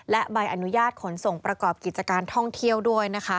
และใบอนุญาตขนส่งประกอบกิจการท่องเที่ยวด้วยนะคะ